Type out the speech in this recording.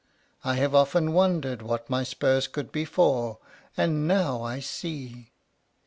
I have often wondered what my spurs could be for, and now I see."